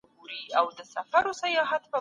زما ټول نیک عملونه په خپل دربار کې قبول کړه.